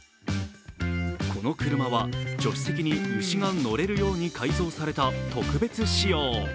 この車は、助手席に牛が乗れるように改造された特別仕様。